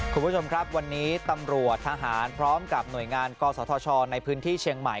คุณผู้ชมครับวันนี้ตำรวจทหารพร้อมกับหน่วยงานกศธชในพื้นที่เชียงใหม่